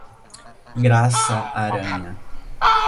Graça Aranha